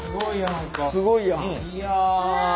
すごいやんか。